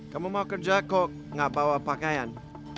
kamu mau kerja kok nggak bawa pakaian